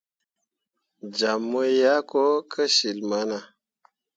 Jam mu yah ko kecil mana.